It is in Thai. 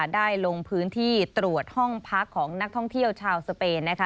ได้ลงพื้นที่ตรวจห้องพักของนักท่องเที่ยวชาวสเปนนะคะ